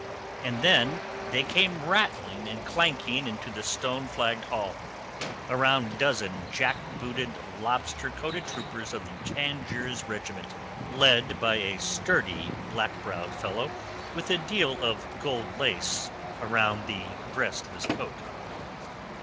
And then they came rattling and clanking into the stone flagged hall a round dozen jack booted, lobster coated troopers of the Tangiers Regiment, led by a sturdy, black browed fellow with a deal of gold lace about the breast of his coat.